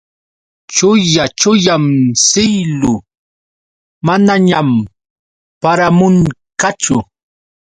Chuya chuyam siylu. Manañam paramunqachu.